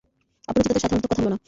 অপরিচিতদের সাথে অনর্থক কথা বলো না।